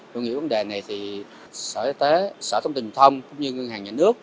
tôi nghĩ vấn đề này thì sở thông tin thông cũng như ngân hàng nhà nước